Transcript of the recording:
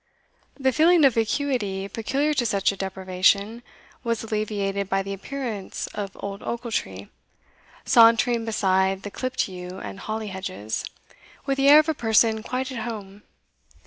The feeling of vacuity peculiar to such a deprivation, was alleviated by the appearance of old Ochiltree, sauntering beside the clipped yew and holly hedges, with the air of a person quite at home.